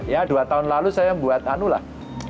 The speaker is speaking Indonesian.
ya dua tahun lalu saya membuat anu lah